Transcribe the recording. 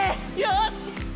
よし！